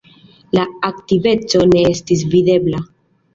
La aktiveco ne estis videbla.